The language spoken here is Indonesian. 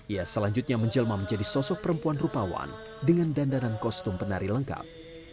ia selanjutnya menjelma menjadi sosok perempuan rupawan dengan dandanan kostum penari lengkap